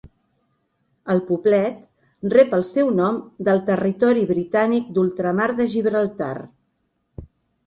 El poblet rep el seu nom del territori britànic d"ultramar de Gibraltar.